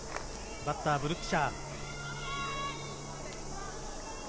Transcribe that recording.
バッターはブルックシャー。